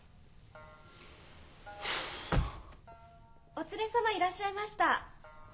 ・お連れ様いらっしゃいました。